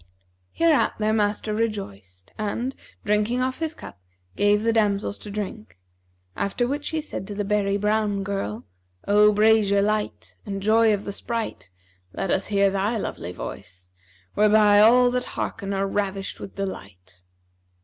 Hereat their master rejoiced and, drinking off his cup, gave the damsels to drink, after which he said to the berry brown girl, 'O brasier light[FN#350] and joy of the sprite, let us hear thy lovely voice, whereby all that hearken are ravished with delight.'